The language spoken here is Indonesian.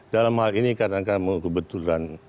dalam hal ini karena kamu kebetulan